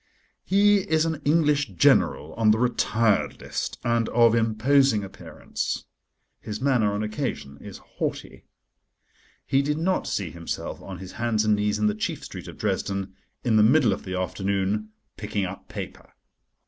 He is an English General on the Retired List, and of imposing appearance: his manner on occasion is haughty. He did not see himself on his hands and knees in the chief street of Dresden, in the middle of the afternoon, picking up paper.